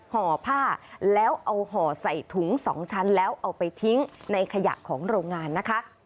ห่อผ้าแล้วเอาห่อใส่ถุง๒ชั้นแล้วเอาไปทิ้งในขยะของโรงงานนะคะ